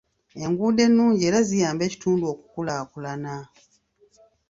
Enguudo ennungi era ziyamba ekitundu okukulaakulana.